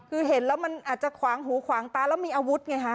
คือเห็นแล้วมันอาจจะขวางหูขวางตาแล้วมีอาวุธไงฮะ